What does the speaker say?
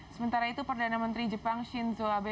sementara itu perdana menteri jepang shinzo abe